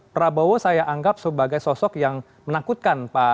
prabowo saya anggap sebagai sosok yang menakutkan pak jokowi